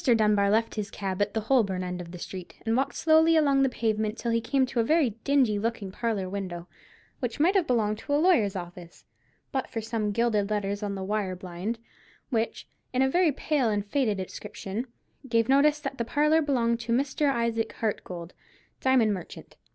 Dunbar left his cab at the Holborn end of the street, and walked slowly along the pavement till he came to a very dingy looking parlour window, which might have belonged to a lawyer's office but for some gilded letters on the wire blind, which, in a very pale and faded inscription, gave notice that the parlour belonged to Mr. Isaac Hartgold, diamond merchant.